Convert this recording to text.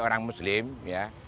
orang muslim ya